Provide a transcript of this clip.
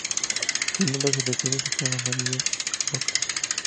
Su nombre se refiere a su color amarillo ocre.